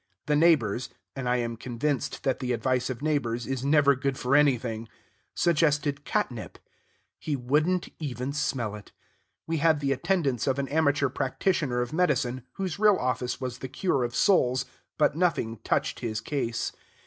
The neighbors and I am convinced that the advice of neighbors is never good for anything suggested catnip. He would n't even smell it. We had the attendance of an amateur practitioner of medicine, whose real office was the cure of souls, but nothing touched his case.